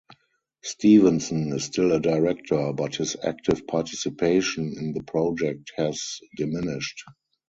Stevenson is still a director, but his active participation in the project has diminished.